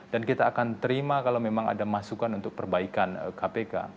dan kita akan terima kalau memang ada masukan untuk perbaikan kpk